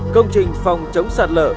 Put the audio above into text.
công trình phòng chống sạt lở